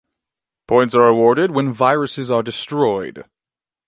Points are awarded when viruses are destroyed.